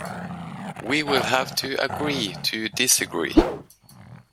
We will have to agree to disagree